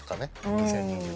２０２２年。